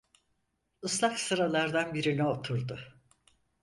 Islak sıralardan birine oturdu.